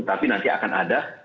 tapi nanti akan ada